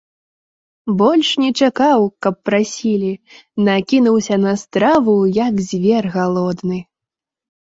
Больш не чакаў, каб прасілі, накінуўся на страву, як звер галодны.